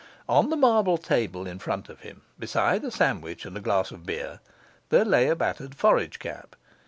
On the marble table in front of him, beside a sandwich and a glass of beer, there lay a battered forage cap.